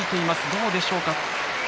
どうでしょうか。